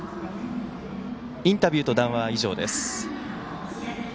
インタビューと談話は以上です。